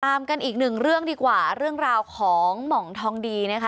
ตามกันอีกหนึ่งเรื่องดีกว่าเรื่องราวของหม่องทองดีนะคะ